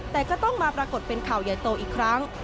แต่ก็ต้องมาปรากฏเป็นข่าวใหญ่โตอีกครั้ง